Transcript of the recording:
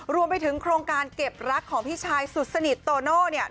รวมไปถึงโครงการเก็บรักของพี่ชายสุดสนิทโตโน่เนี่ย